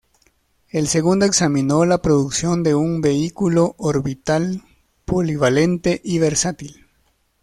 El segundo examinó la producción de un vehículo orbital polivalente y versátil.